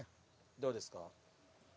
どうですか？